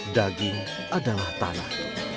daging adalah tanah